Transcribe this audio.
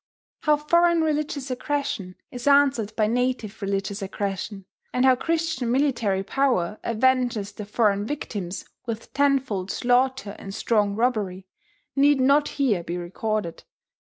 How foreign religious aggression is answered by native religious aggression; and how Christian military power avenges the foreign victims with tenfold slaughter and strong robbery, need not here be recorded.